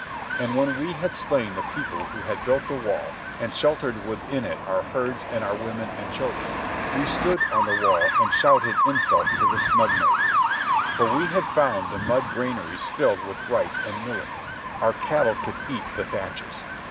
And when we had slain the people who had built the wall, and sheltered within it our herds and our women and children, we stood on the wall and shouted insult to the Snub Noses. For we had found the mud granaries filled with rice and millet. Our cattle could eat the thatches.